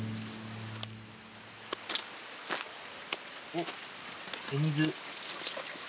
おっお水。